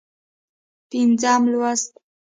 پينځم لوست